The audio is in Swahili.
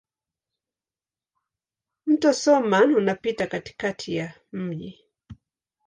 Mto Soummam unapita katikati ya mji.